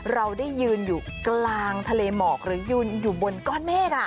เราได้ยืนอยู่กลางทะเลหมอกหรือยืนอยู่บนก้อนเมฆ